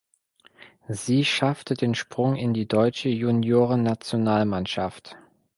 Sie schaffte den Sprung in die deutsche Juniorennationalmannschaft.